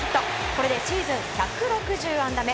これでシーズン１６０安打目。